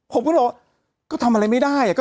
ผมก็เหลอทำอะไรไม่ได้